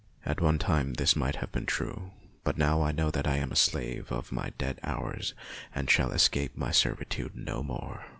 At one time this might have been true ; but now I know that I am the slave of my dead hours and shall escape from my servi tude no more.